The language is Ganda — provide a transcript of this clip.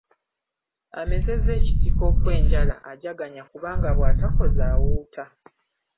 Amezezza ekitiko okwenjala ajaganya kubanga bw’atakoza awuuta.